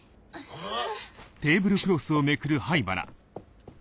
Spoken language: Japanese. ⁉えっ⁉